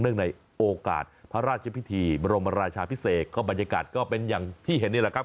ในโอกาสพระราชพิธีบรมราชาพิเศษก็บรรยากาศก็เป็นอย่างที่เห็นนี่แหละครับ